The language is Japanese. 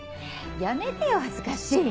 やめてよ恥ずかしい。